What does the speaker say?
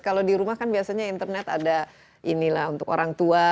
kalau di rumah kan biasanya internet ada inilah untuk orang tua